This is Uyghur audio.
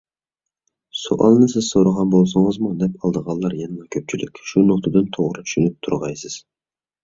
سوئالنى سىز سورىغان بولسىڭىزمۇ نەپ ئالىدىغانلار يەنىلا كۆپچىلىك. شۇ نۇقتىدىن توغرا چۈشىنىپ تۇرغايسىز.